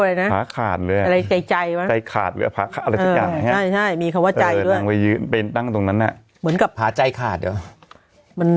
อะไรนะการให้ให้มีโฆฮาใจแล้วไปยืนเป็นตั้งนั้นอ่ะเหมือนกับหาใจขาดก้าวมัน